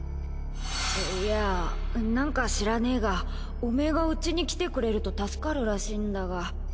いやなんか知らねえがオメエがうちに来てくれると助かるらしいんだが。